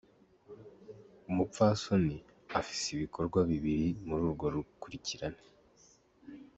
Umupfasoni afise ibikorwa bibiri muri urwo rukurikirane.